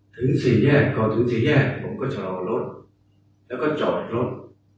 ถึงสี่แยกผมก็จะเอารถแล้วก็จอดรถ